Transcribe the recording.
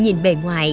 nhìn bề ngoài